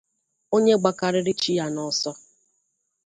Onye gbakarịrị Chi ya n’ọsọ